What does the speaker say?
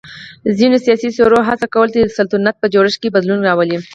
ځینو سیاسی څېرو هڅه کوله چې د سلطنت په جوړښت کې بدلون راولي.